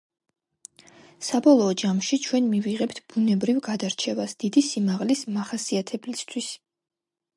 საბოლოო ჯამში, ჩვენ მივიღებთ, ბუნებრივ გადარჩევას დიდი სიმაღლის მახასიათებლისთვის.